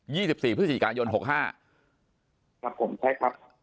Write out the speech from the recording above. ยี่สิบสี่พฤษฎีการยนต์หกห้าครับผมใช่ครับ